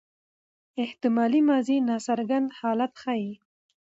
احتمالي ماضي ناڅرګند حالت ښيي.